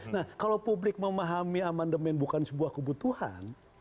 nah kalau publik memahami amandemen bukan sebuah kebutuhan